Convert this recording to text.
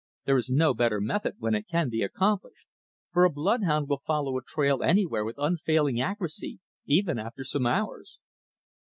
There is no better method when it can be accomplished, for a bloodhound will follow a trail anywhere with unfailing accuracy, even after some hours."